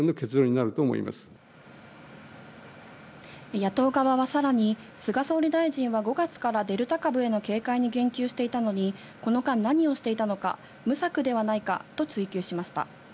野党側はさらに、菅総理大臣は５月からデルタ株への警戒に言及していたのに、この間、何をしていたのか、無策ではないかと追及しました。